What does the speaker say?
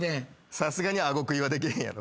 さすがに顎クイはできへんやろ。